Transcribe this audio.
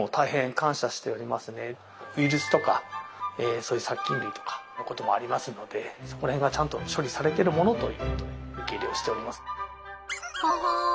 ウイルスとかそういう殺菌類とかのこともありますのでそこら辺がちゃんと処理されてるものということで受け入れをしております。